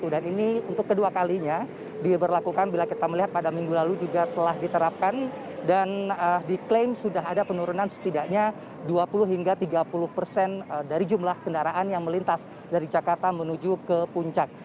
dan ini untuk kedua kalinya diberlakukan bila kita melihat pada minggu lalu juga telah diterapkan dan diklaim sudah ada penurunan setidaknya dua puluh hingga tiga puluh persen dari jumlah kendaraan yang melintas dari jakarta menuju ke puncak